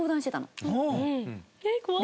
えっ怖っ。